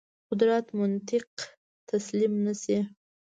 قدرت منطق تسلیم نه شي.